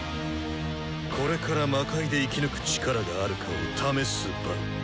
これから魔界で生き抜く力があるかを試す場！